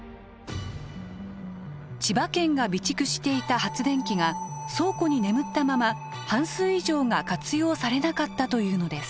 千葉県が備蓄していた発電機が倉庫に眠ったまま半数以上が活用されなかったというのです。